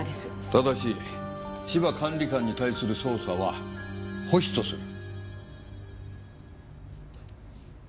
ただし芝管理官に対する捜査は保秘とする。